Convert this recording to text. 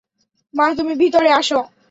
মা, তুমি ভিতরে আসো।